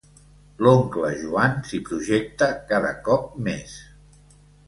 L'oncle Joan s'hi projecta cada cop més.